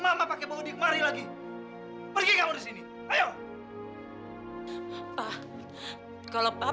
apa dia bisa sekolah